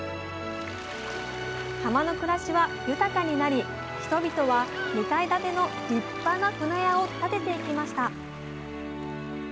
浜の暮らしは豊かになり人々は２階建ての立派な舟屋を建てていきました